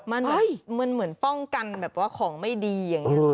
มันเหมือนป้องกันแบบว่าของไม่ดีอย่างนี้